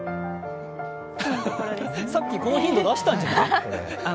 さっき、このヒント出したんじゃない？